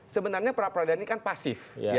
sebenarnya prapradana ini kan pasif